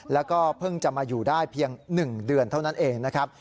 แล้วก็เพิ่งจะมาอยู่ได้เพียง๑เดือนเท่านั้นเองนะครับ